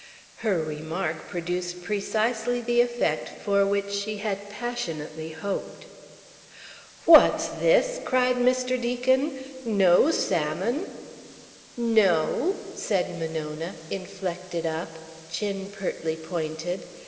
Her remark produced precisely the effect for which she had passionately hoped. "What's this?" cried Mr. Deacon. "No salmon?" "No," said Monona, inflected up, chin pertly pointed.